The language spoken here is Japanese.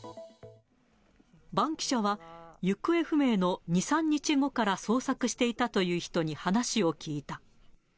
バンキシャは行方不明の２、３日後から捜索していたという人に話を聞いた。